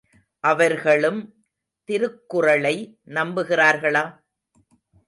அவர்களும் திருக்குறளை நம்புகிறார்களா?